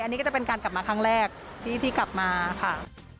อันนี้ก็จะเป็นการกลับมาครั้งแรกที่กลับมาค่ะ